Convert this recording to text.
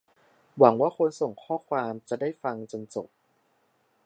หวังว่าคนส่งข้อความจะได้ฟังจนจบ